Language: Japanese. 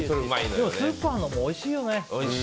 でもスーパーのもおいしいよね。